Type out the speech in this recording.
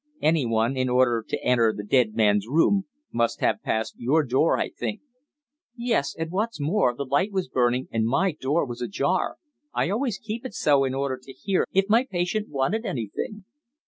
"Anyone, in order to enter the dead man's room, must have passed your door, I think?" "Yes, and what's more, the light was burning and my door was ajar. I always kept it so in order to hear if my patient wanted anything."